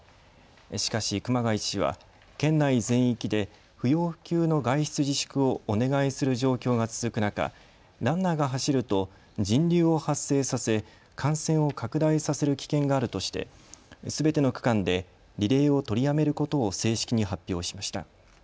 しかし熊谷知事は県内全域で不要不急の外出自粛をお願いする状況が続く中、ランナーが走ると人流を発生させ感染を拡大させる危険があるとして、すべての区間でリレーを取りやめることを正式に発表しました。